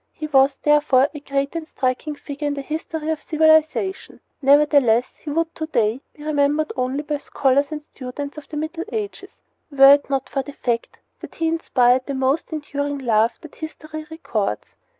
He was, therefore, a great and striking figure in the history of civilization. Nevertheless he would to day be remembered only by scholars and students of the Middle Ages were it not for the fact that he inspired the most enduring love that history records.